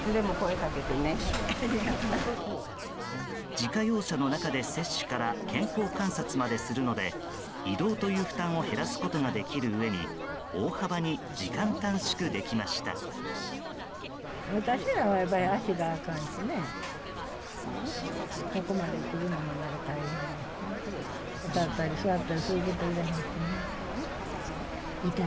自家用車の中で接種から健康観察までするので移動という負担を減らすことができるうえに大幅に時間短縮できました。